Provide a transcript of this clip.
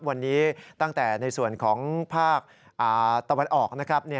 วันนี้ตั้งแต่ในส่วนของภาคตะวันออกนะครับ